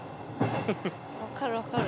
分かる分かる。